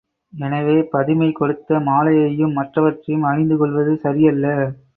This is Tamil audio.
எனவே பதுமை கொடுத்த மாலையையும் மற்றவற்றையும் அணிந்து கொள்வது சரியல்ல!